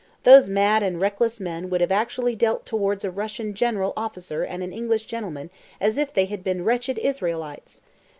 —those mad and reckless men would have actually dealt towards a Russian general officer and an English gentleman as if they had been wretched Israelites!